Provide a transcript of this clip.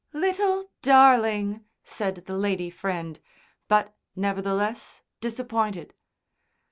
"Little darling," said the lady friend, but nevertheless disappointed.